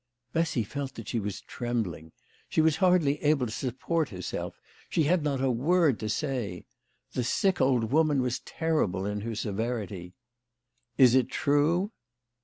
Bessy felt that she was trembling. She was hardly able to support herself. She had not a word to say. The sick old woman was terrible in her severity. "Is it true